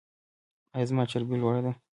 ایا زما چربي لوړه ده؟